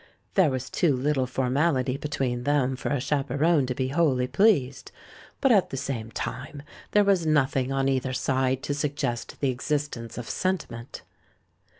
There was too little formality between them for a chaperon to be wholly pleased, but, at the same time, there was nothing on either side to suggest the existence of sentiment.